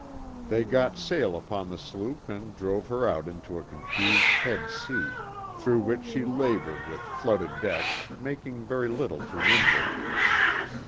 They got sail upon the sloop and drove her out into a confused head sea, through which she laboured with flooded decks, making very little to windward.